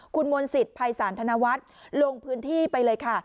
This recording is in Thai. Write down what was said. คุณมนต์สิทธิภัยศาลธนวัฒน์ลงพื้นที่ไปเลยค่ะ